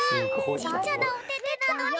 ちっちゃなおててなのに。